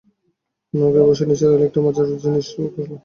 নৌকায় বসে নিসার আলি একটা মজার জিনিস লক্ষ করলেন।